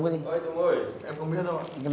giống cái gì